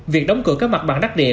việc đóng cửa các mặt bằng đắc địa